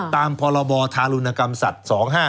ตามพลทารุณกรรมสัตว์๒๕๕๗